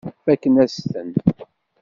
Fakken-as-ten.